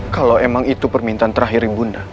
kalau emang itu permintaan terakhir ibunda